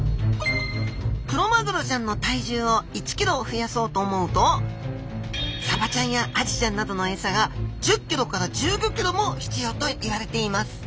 クロマグロちゃんの体重を１ｋｇ増やそうと思うとサバちゃんやアジちゃんなどのエサが１０ｋｇから１５ｋｇも必要といわれています。